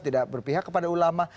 tidak berpihak kepada ulama